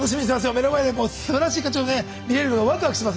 目の前でもうすばらしい勝ちをね見れるのをワクワクしてます